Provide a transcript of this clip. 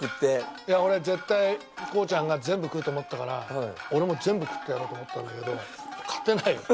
いや俺絶対幸ちゃんが全部食うと思ったから俺も全部食ってやろうと思ったんだけど勝てないよ。